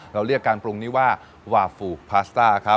เราเรียกการปรุงนี้ว่าวาฟูพลาซ่า